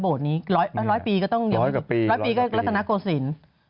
โบสถ์นี้ร้อยกว่าปีก็รัฐนาโกสิน